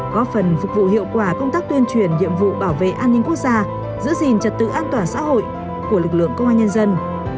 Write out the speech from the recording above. góp phần phục vụ hiệu quả công tác tuyên truyền nhiệm vụ bảo vệ an ninh quốc gia giữ gìn trật tự an toàn xã hội của lực lượng công an nhân dân